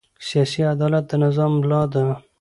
سیاسي عدالت د نظام ملا ده